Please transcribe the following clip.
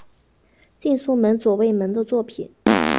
近松门左卫门的作品。